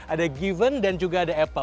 ada given dan juga ada apple